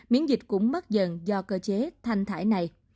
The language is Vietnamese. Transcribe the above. miễn dịch cũng mất dần do cơ chế thanh thải này